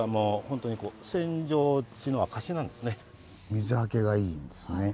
水はけがいいんですね。